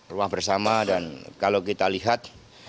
rumah bersama dan kalau kita lihat